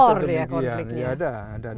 dari luar juga kadang kadang